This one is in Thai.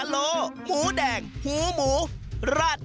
โรงโต้งคืออะไร